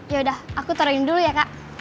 yaudah aku taruhin dulu ya kak